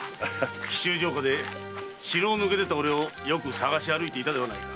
紀州城下で城を抜け出た俺をよく捜し歩いていたではないか。